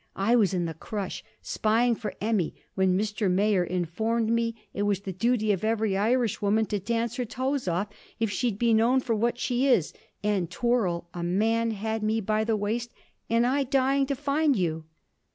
I was in the crush, spying for Emmy, when Mr. Mayor informed me it was the duty of every Irishwoman to dance her toes off, if she 'd be known for what she is. And twirl! a man had me by the waist, and I dying to find you.'